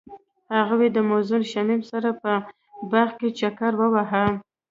هغوی د موزون شمیم سره په باغ کې چکر وواهه.